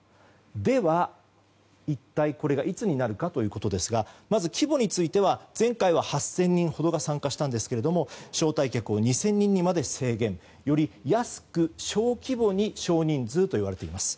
では、一体これがいつになるかということですがまず、規模については前回は８０００人ほどが参加したんですが招待客を２０００人ほどに制限。より安く、小規模に少人数といわれています。